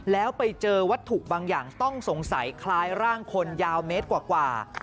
แล้วไปเจอวัตถุบางอย่างต้องสงสัยคล้ายร่างคนยาวเมตรกว่า